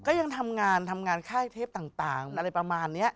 ก็ยังทำงานทำงานค่ายเทปต่างอะไรประมาณนี้